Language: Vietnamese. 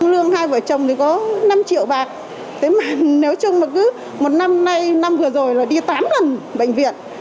lương hai vợ chồng thì có năm triệu bạc thế mà nếu chung mà cứ một năm nay năm vừa rồi là đi tám lần bệnh viện